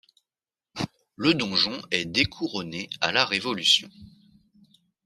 Le donjon est découronné à la Révolution.